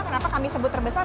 kenapa kami sebut terbesar